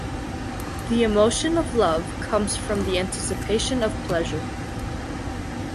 The emotion of love comes from the anticipation of pleasure.